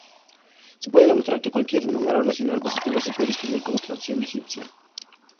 Se puede demostrar que cualquier número racional positivo se puede escribir como fracción egipcia.